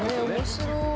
面白い。